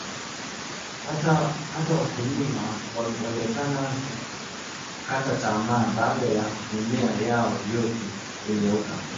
hata wakulima wameonekana kukata tamaa baada ya mimea yao yote kunyauka